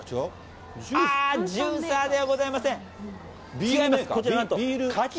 ああ、ジューサーではございません。